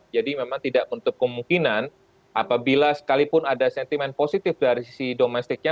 jadi memang tidak untuk kemungkinan apabila sekalipun ada sentimen positif dari sisi domestiknya